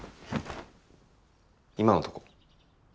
今のとこ。